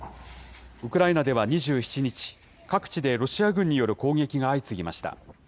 ウクライナでは２７日、各地でロシア軍による攻撃が相次ぎました。